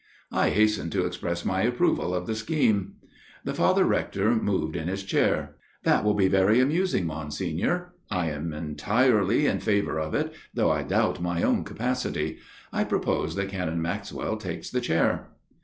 I hastened to express my approval of the scheme. The Father Rector moved in his chair. " That will be very amusing, Monsignor. I am entirely in favour of it, though I doubt my own capacity. I propose that Canon Maxwell takes the chair."